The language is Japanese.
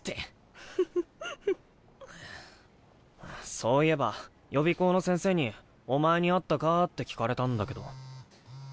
そういえば予備校の先生にお前に会ったかって聞かれたんだけど。